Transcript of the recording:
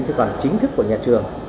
chứ còn chính thức của nhà trường